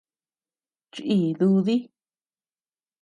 Chí dúdi.